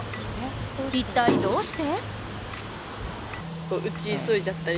一体どうして？